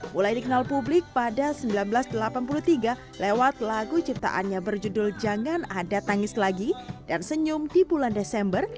mulai dikenal publik pada seribu sembilan ratus delapan puluh tiga lewat lagu ciptaannya berjudul jangan ada tangis lagi dan senyum di bulan desember